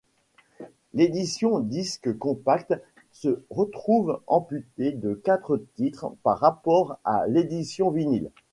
L'édition disque compact se retrouve amputé de quatre titres par rapport à l'édition vinyle.